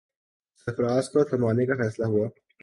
سرفراز کو تھمانے کا فیصلہ ہوا۔